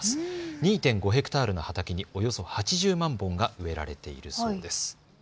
２．５ヘクタールの畑におよそ８０万本が植えられているそうです。